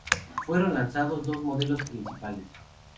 Fueron lanzados dos modelos principales.